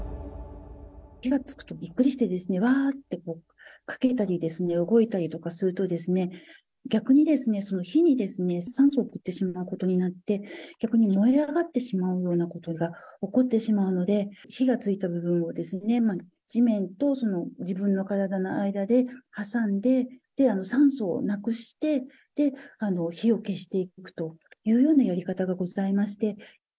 火がつくとびっくりして、わーって駆けたり動いたりとかすると、逆にその火に酸素を送ってしまうことになって、逆に燃え上がってしまうようなことが起こってしまうので、火がついた部分を、地面と自分の体の間で挟んで、酸素をなくして、火を消していくというようなやり方がございまして。